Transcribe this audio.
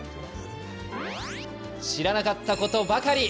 知らなかったことばかり！